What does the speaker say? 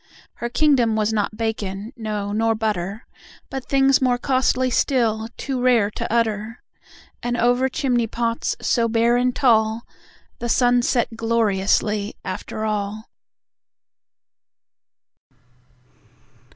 Her kingdom was not bacon, no, nor butter, But things more costly still, too rare to utter. And, over chimney pots, so bare and tall, The sun set gloriously, after all.